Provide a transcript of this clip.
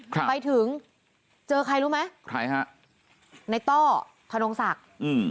ครับไปถึงเจอใครรู้ไหมใครฮะในต้อพนงศักดิ์อืม